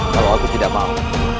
kalau aku tidak mau